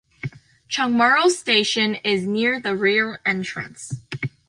Chungmuro Station is near the rear entrance.